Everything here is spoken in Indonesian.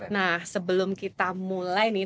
nah sebelum kita mulai nih